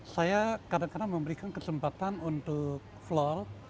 saya kadang kadang memberikan kesempatan untuk floor